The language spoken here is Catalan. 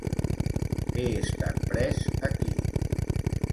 He estat pres aquí.